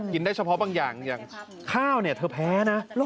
ได้เฉพาะบางอย่างอย่างข้าวเนี่ยเธอแพ้นะ